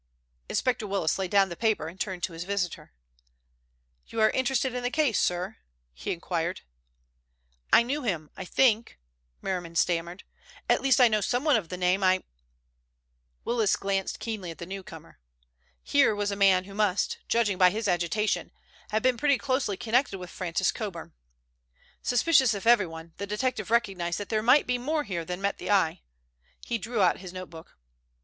Inspector Willis laid down the paper and turned to his visitor. "You are interested in the case, sir?" he inquired. "I knew him, I think," Merriman stammered. "At least I know someone of the name. I—" Willis glanced keenly at the newcomer. Here was a man who must, judging by his agitation, have been pretty closely connected with Francis Coburn. Suspicious of everyone, the detective recognized that there might be more here than met the eye. He drew out his notebook.